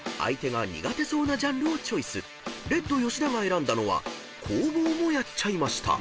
［レッド吉田が選んだのは「弘法もやっちゃいました」］